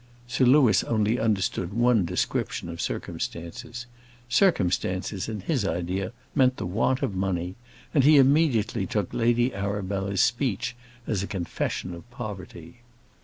Sir Louis only understood one description of "circumstances." Circumstances, in his idea, meant the want of money, and he immediately took Lady Arabella's speech as a confession of poverty.